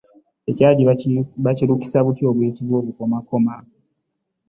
Ekyagi bakirukisa obuti obuyitibwa obukomakoma.